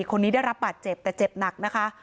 คนนี้ได้รับบาดเจ็บแต่เจ็บหนักนะคะ